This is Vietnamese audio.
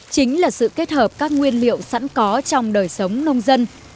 chính là sự kết hợp các nguyên liệu sẵn có trong đời sống nông dân